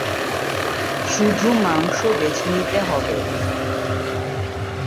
শুধু মাংস বেছে নিতে হবে।